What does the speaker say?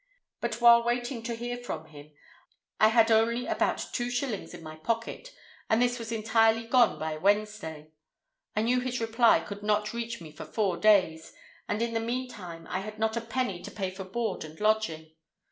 But while waiting to hear from him, I had only about two shillings in my pocket, and this was entirely gone by Wednesday. I knew his reply could not reach me for four days, and in the meantime I had not a penny to pay for board and lodging.